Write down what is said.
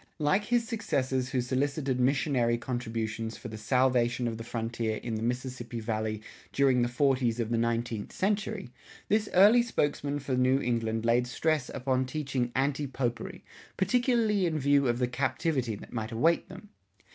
Like his successors who solicited missionary contributions for the salvation of the frontier in the Mississippi Valley during the forties of the nineteenth century, this early spokesman for New England laid stress upon teaching anti popery, particularly in view of the captivity that might await them.